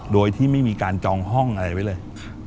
โดยที่ไม่มีการจองห้องอะไรไว้เลย